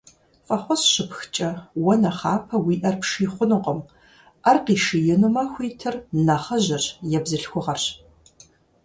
Фӏэхъус щыпхкӏэ уэ нэхъапэ уи ӏэр пший хъунукъым, ӏэр къишиинумэ хуитыр нэхъыжьырщ е бзылъхугъэрщ.